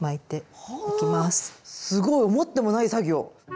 すごい思ってもない作業！